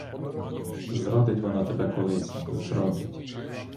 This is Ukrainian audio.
Зрадить вона тебе колись, зрадить.